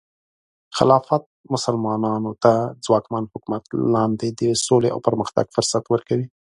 خلافت مسلمانانو ته د ځواکمن حکومت لاندې د سولې او پرمختګ فرصت ورکوي.